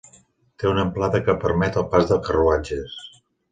Té una amplada que permet el pas de carruatges.